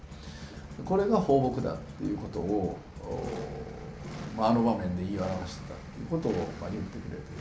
これが抱樸だっていうことをあの場面で言い表してたっていうことを言ってくれて。